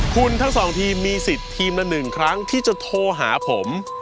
คุณทั้งสองทีมมีสิทธิ์ทีมละ๑ครั้งที่จะโทรหาผม